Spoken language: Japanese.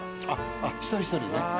一人一人ね。